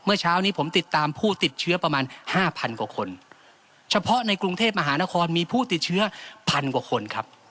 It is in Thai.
เมื่อเช้านี้ผมติดตามผู้ติดเชื้อประมาณ๕๐๐๐คน